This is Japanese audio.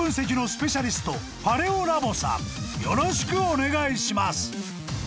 ［よろしくお願いします］